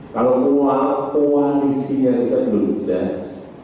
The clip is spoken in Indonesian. kalau koalisinya juga belum jelas